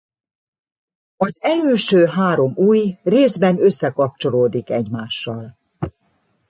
Az elülső három ujj részben összekapcsolódik egymással.